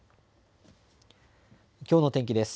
きょうの天気です。